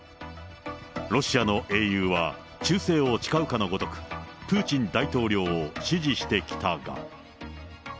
ロシアの英雄は、忠誠を誓うかのごとく、プーチン大統領を支持してきたが。